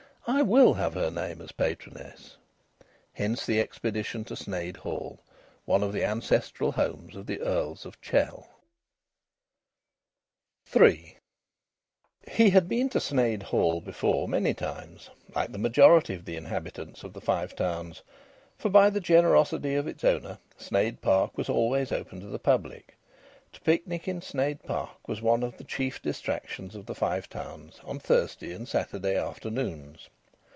I will have her name as patroness." Hence the expedition to Sneyd Hall, one of the ancestral homes of the Earls of Chell. III He had been to Sneyd Hall before many times like the majority of the inhabitants of the Five Towns for, by the generosity of its owner, Sneyd Park was always open to the public. To picnic in Sneyd Park was one of the chief distractions of the Five Towns on Thursday and Saturday afternoons.